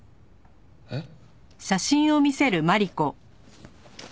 えっ？